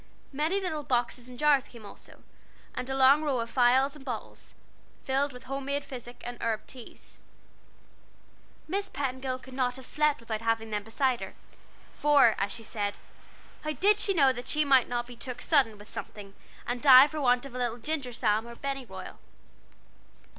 Many little boxes and jars came also, and a long row of phials and bottles, filled with homemade physic and herb teas. Miss Petingill could not have slept without having them beside her, for, as she said, how did she know that she might not be "took sudden" with something, and die for want of a little ginger balsam or pennyroyal?